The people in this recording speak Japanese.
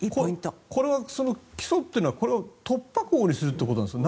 これは起訴というのは突破口にするということですか？